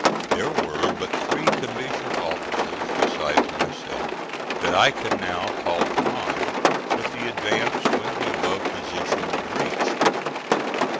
There were but three commissioned officers besides myself, that I can now call to mind, with the advance when the above position was reached.